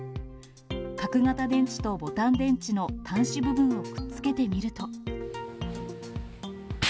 角形電池とボタン電池の端子部分をくっつけてみると。